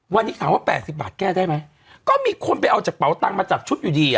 วันนี้ถามว่า๘๐บาทแก้ได้ไหมก็มีคนไปเอาจากเป๋าตังค์มาจัดชุดอยู่ดีอ่ะ